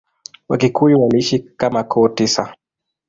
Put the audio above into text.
Wakikuyu waliishi kama koo tisa.